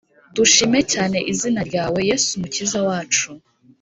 dushime cyane izina ryawe, yesu mukiza wacu